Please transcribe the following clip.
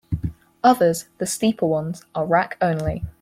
Others, the steeper ones, are rack-only.